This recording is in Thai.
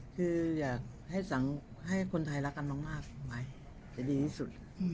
คืออยากให้คนไทยรักกันมากไว้จะดีที่สุด